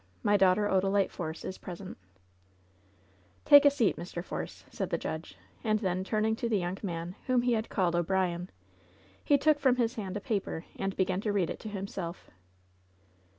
My daughter, Odalite Force, is present '* "Take a seat, Mr. Force," said the judge, and then, turning to the young man whom he had called O'Brien, he took from his hand a paper and began to read it to himself.